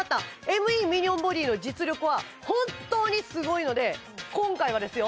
ＭＥミニョンボディの実力は本当にすごいので今回はですよ